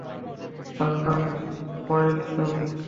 তার নাম মায়িলসামি।